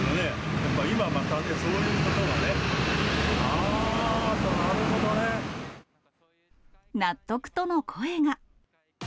やっぱ、今、そういうことがね、納得との声が。